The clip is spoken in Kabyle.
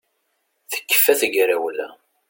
Tekfa tegrawla